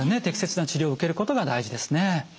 適切な治療を受けることが大事ですね。